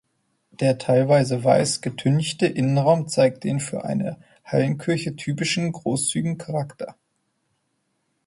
Der teilweise weiß getünchte Innenraum zeigt den für eine Hallenkirche typischen großzügigen Charakter.